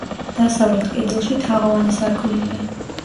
დასავლეთ კედელში თაღოვანი სარკმელია.